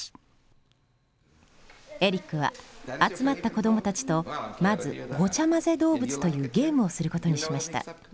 エリックは集まった子どもたちとまず「ごちゃまぜ動物」というゲームをすることにしました。